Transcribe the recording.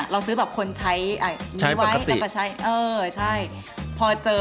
เราซื้อคนใช้ประกัติ